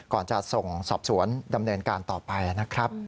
ก่อนจะส่งสอบสวนดำเนินการต่อไปนะครับ